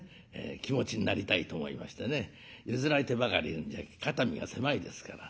気持ちになりたいと思いましてね譲られてばかりいるんじゃ肩身が狭いですから。